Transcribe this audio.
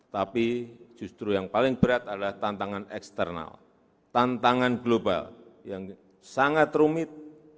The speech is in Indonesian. tapi justru yang paling berat adalah tantangan eksternal tantangan global yang sangat rumit